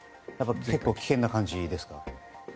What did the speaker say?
結構危険な感じですか？